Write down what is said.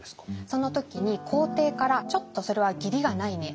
その時に皇帝から「ちょっとそれは義理がないね」